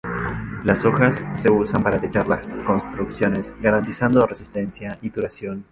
Las hojas se usan para techar las construcciones, garantizando resistencia y duración.